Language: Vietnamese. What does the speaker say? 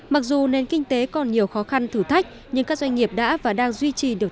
mặc dù nền kinh tế còn nhiều khó khăn thử thách nhưng các doanh nghiệp đã và đang duy trì được